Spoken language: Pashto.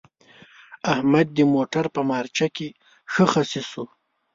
احمد د موټر په مارچه کې ښه خصي شو.